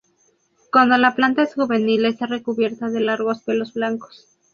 Cuando la planta es juvenil, está recubierta de largos pelos blancos.